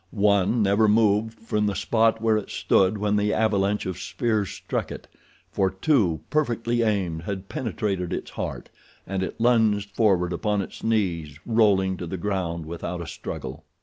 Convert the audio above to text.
One never moved from the spot where it stood when the avalanche of spears struck it, for two, perfectly aimed, had penetrated its heart, and it lunged forward upon its knees, rolling to the ground without a struggle.